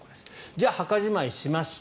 じゃあ、墓じまいしました。